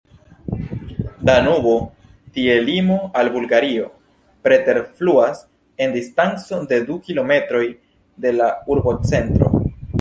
Danubo, tie limo al Bulgario, preterfluas en distanco de du kilometroj de la urbocentro.